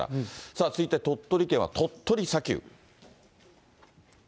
さあ、続いて鳥取県は鳥取砂丘。